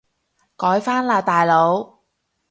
改返喇大佬